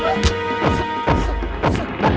dan aktifkan notifikasi video ini